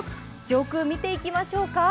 上空、見ていきましょうか。